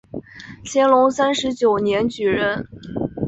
乾隆三十九年举人。